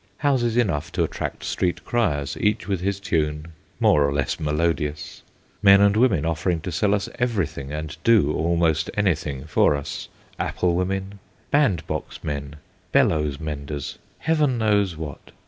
Houses enough to attract street criers, each with his tune, more or less melodious ; men and women offering to sell us everything and do almost anything for us apple women, bandbox men, bellows menders, heaven knows what.